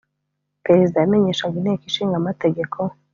perezida yamenyeshaga inteko ishinga amategeko